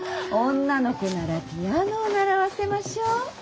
女の子ならピアノを習わせましょう。